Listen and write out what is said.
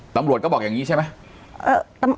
ตำรวจก็บอกอย่างนี้ใช่ไหม